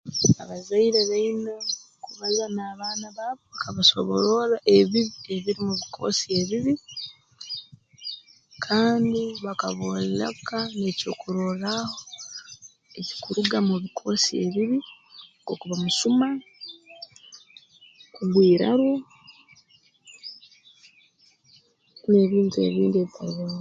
Abazaire baine kubaza n'abaana baabo bakabasobororra ebibi ebiri mu bikoosi ebibi kandi bakabooleka n'ekyokurorraaho ekikuruga mu bikoosi ebibi nk'okuba musuma kugwa iraru n'ebintu ebindi ebitali biru